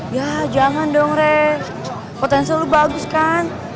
ya jangan dong re potensi lo bagus kan